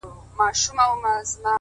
ځه پرېږده وخته نور به مي راويښ کړم .